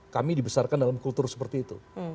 kami dibesarkan dalam kultur seperti itu